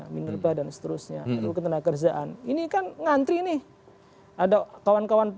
minarba dan seterusnya